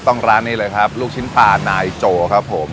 ร้านนี้เลยครับลูกชิ้นปลานายโจครับผม